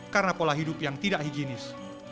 karena pola hidup yang tidak higienis